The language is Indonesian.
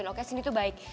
oke sindi tuh baik